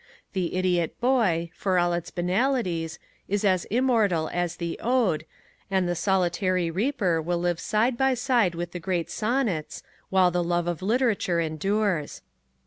The Idiot Boy, for all its banalities, is as immortal as The Ode, and The Solitary Reaper will live side by side with the great sonnets while the love of literature endures.